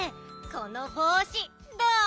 このぼうしどう？